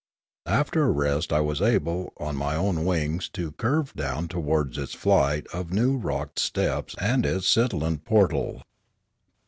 After a rest I was able on my own wings to curve down towards its flight of new rocked steps and its scintillant portal.